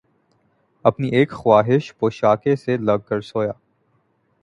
اپنی اِک خواہشِ پوشاک سے لگ کر سویا